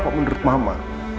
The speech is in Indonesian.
apa menurut mama